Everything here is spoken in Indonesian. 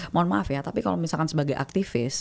mohon maaf ya tapi kalau misalkan sebagai aktivis